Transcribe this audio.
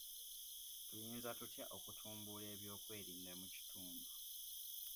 Tuyinza tutya okutumbula eby'okwerinda mu kitundu.